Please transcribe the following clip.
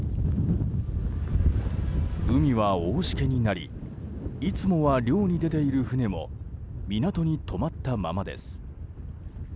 海は大しけになりいつもは漁に出ている船も港に止まったままです。